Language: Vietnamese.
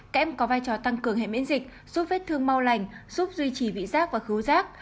kẽm có vai trò tăng cường hệ miễn dịch giúp vết thương mau lành giúp duy trì vị rác và cứu giác